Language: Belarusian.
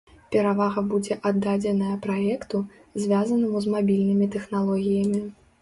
Перавага будзе аддадзеная праекту, звязанаму з мабільнымі тэхналогіямі.